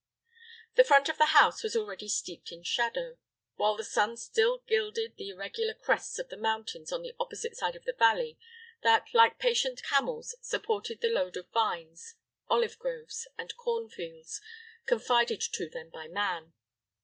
The front of the house was already steeped in shadow, while the sun still gilded the irregular crests of the mountains on the opposite side of the valley that, like patient camels, supported the load of vines, olive groves, and cornfields confided to them by man.